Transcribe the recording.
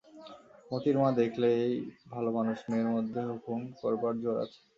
মোতির মা দেখলে এই ভালোমানুষ-মেয়ের মধ্যে হুকুম করবার জোর আছে।